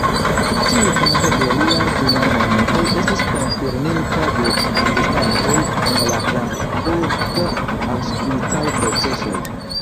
Tiu konto de liaj finaj momentoj estis konfirmita de atestantoj en la frankfurt-aŭŝvicaj procesoj.